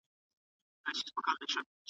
نا امیدي د شیطان کار دی.